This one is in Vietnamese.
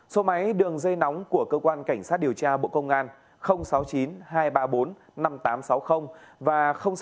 số máy đường dây nóng của cơ quan cảnh sát điều tra bộ công an sáu mươi chín hai trăm ba mươi bốn năm nghìn tám trăm sáu mươi và sáu mươi chín hai trăm ba mươi một một nghìn sáu trăm